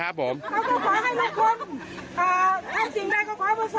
เขาก็ขอให้ลุงพลเอ่อถ้าจริงได้ก็ขอประสบความสำเร็จ